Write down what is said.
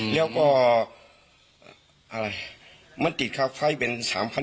แล้วก็มันติดค่าไฟเป็น๓๘๐๐